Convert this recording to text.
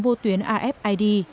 vô tuyến rfid